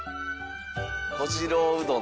小次郎うどん。